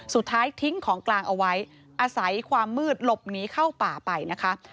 สุดท้ายทิ้งของกลางเอาไว้อาศัยความมืดหลบหนีเข้าป่าไปนะคะ